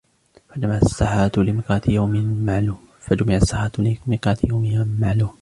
فجمع السحرة لميقات يوم معلوم